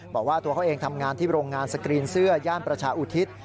บอกว่าตัวเขาเองทำงานที่โรงงานสกรีนเสื้อย่านประชาอุทิศ